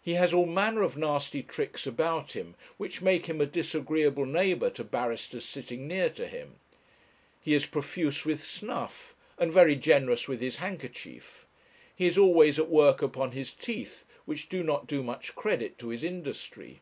He has all manner of nasty tricks about him, which make him a disagreeable neighbour to barristers sitting near to him. He is profuse with snuff, and very generous with his handkerchief. He is always at work upon his teeth, which do not do much credit to his industry.